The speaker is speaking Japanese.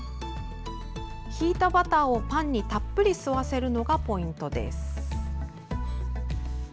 ひいたバターをパンにたっぷり吸わせるのがポイントです。